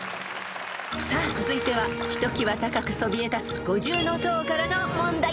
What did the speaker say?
［さあ続いてはひときわ高くそびえ立つ五重塔からの問題］